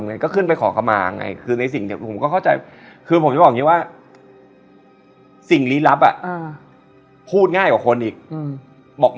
นึกออกป่ะรมเบามาในหูพร้อมก่อนคลุก